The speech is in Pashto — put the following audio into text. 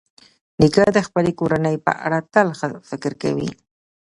نیکه د خپلې کورنۍ په اړه تل ښه فکر کوي.